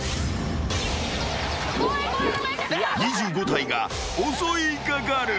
［２５体が襲い掛かる］